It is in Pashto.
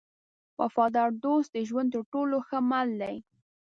وفادار دوست د ژوند تر ټولو ښه مل دی.